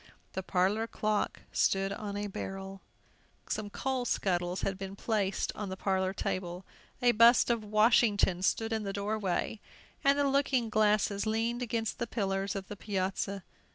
The parlor clock stood on a barrel; some coal scuttles had been placed on the parlor table, a bust of Washington stood in the door way, and the looking glasses leaned against the pillars of the piazza.